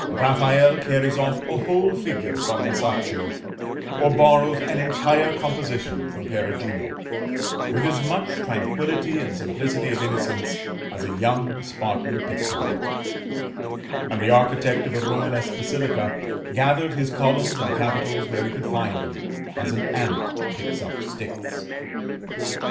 Raffaelle carries off a whole figure from Masaccio, or borrows an entire composition from Perugino, with as much tranquillity and simplicity of innocence as a young Spartan pickpocket; and the architect of a Romanesque basilica gathered his columns and capitals where he could find them, as an ant picks up sticks.